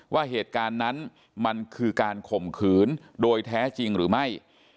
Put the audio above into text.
ว่าเหตุการณ์นั้นมันคือการข่มขืนโดยแท้จริงหรือไม่